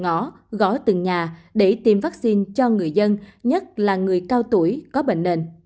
ngõ gõ từng nhà để tiêm vaccine cho người dân nhất là người cao tuổi có bệnh nền